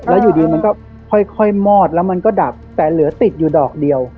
แล้วอยู่ดีมันก็ค่อยมอดแล้วมันก็ดับแต่เหลือติดอยู่ดอกเดียว